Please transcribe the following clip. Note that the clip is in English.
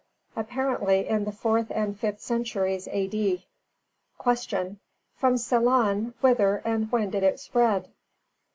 Apparently in the fourth and fifth centuries A.D. 310. Q. _From Ceylon, whither and when did it spread?